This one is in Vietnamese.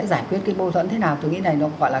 giải quyết cái mâu thuẫn thế nào tôi nghĩ này nó gọi là